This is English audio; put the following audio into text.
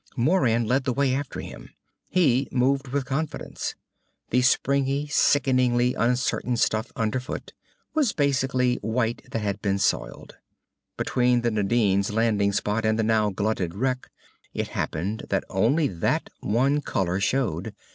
Moran led the way after him. He moved with confidence. The springy, sickeningly uncertain stuff underfoot was basically white that had been soiled. Between the Nadine's landing spot and the now gutted wreck, it happened that only that one color showed.